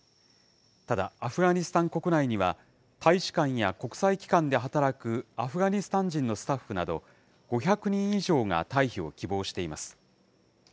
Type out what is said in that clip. ただ、アフガニスタン国内には、大使館や国際機関で働くアフガニスタン人のスタッフなど５００人以上が退避を希望しています。